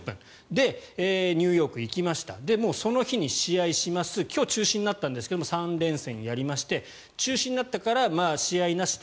で、ニューヨークに行きましたその日に試合をします今日、中止になったんですが３連戦やりまして中止になったから試合なしで